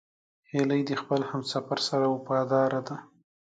هیلۍ د خپل همسفر سره وفاداره ده